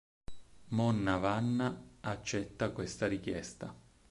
Monna Vanna accetta questa richiesta.